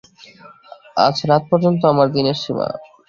আজ রাত পর্যন্ত আমার দিনের সীমা।